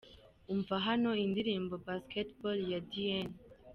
Umva hano indirimbo Basketball ya Diyen.